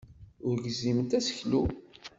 Ur gziment aseklu.